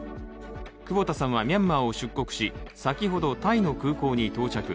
久保田さんはミャンマーを出国し、先ほどタイの空港に到着。